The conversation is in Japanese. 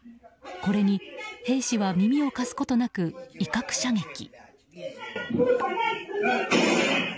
これに兵士は耳を貸すことなく威嚇射撃。